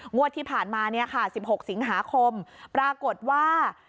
งวดที่ผ่านมาศ๑๖สิงหาคมปรากฏว่า